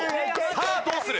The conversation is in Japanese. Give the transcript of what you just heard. さあどうする？